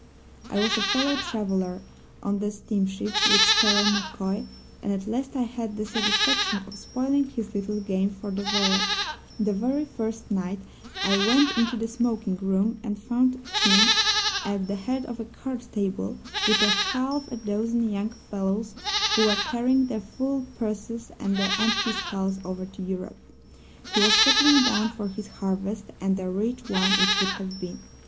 "I was a fellow traveller, on the steamship, with Sparrow MacCoy, and at least I had the satisfaction of spoiling his little game for the voyage. The very first night I went into the smoking room, and found him at the head of a card table, with a half a dozen young fellows who were carrying their full purses and their empty skulls over to Europe. He was settling down for his harvest, and a rich one it would have been.